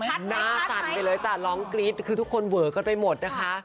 หน้าสั่นไปเลยจ้ะร้องกรี๊ดคือทุกคนเวอกันไปหมดนะคะ